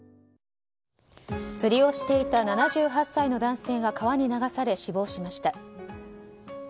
釣りをしていた７８歳の男性が川に流され死亡しました。